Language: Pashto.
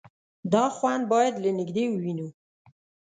_دا خوند بايد له نږدې ووينو.